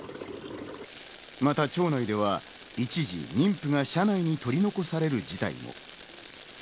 また町内では、一時、妊婦が車内に取り残される事態も。